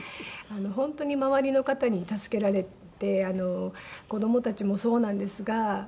本当に周りの方に助けられて子供たちもそうなんですが。